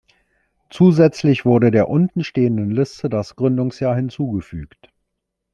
Zusätzlich wurde der unten stehenden Liste das Gründungsjahr hinzugefügt.